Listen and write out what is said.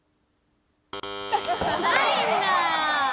ないんだ！